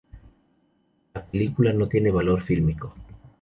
La película no tiene valor fílmico.